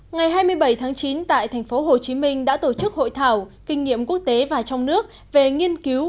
ngày hai mươi bảy tháng chín tại thành phố hồ chí minh đã tổ chức hội thảo kinh nghiệm quốc tế và trong nước về nghiên cứu